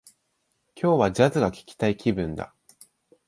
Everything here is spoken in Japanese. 今日は、ジャズが聞きたい気分だ